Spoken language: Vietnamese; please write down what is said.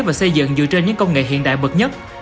và xây dựng dựa trên những công nghệ hiện đại bậc nhất